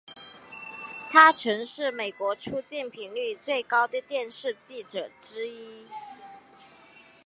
他曾是美国出境频率最高的电视记者之一。